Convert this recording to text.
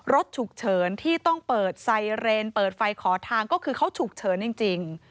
รถฉุกเฉินที่ต้องเปิดไซเรนเปิดไฟขอทางก็คือเขาฉุกเฉินจริง